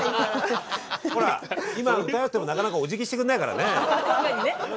ほら今歌うってもなかなかお辞儀してくんないからね。